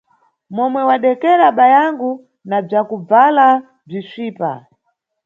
Momwe wadekera bayangu, na bzakubvala bzisvipa.